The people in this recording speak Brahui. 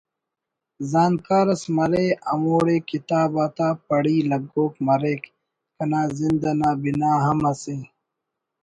زانتکار اس مرے ہموڑے کتاب آتا پڑی لگوک مریک کنا زند انا بنا ہم اسہ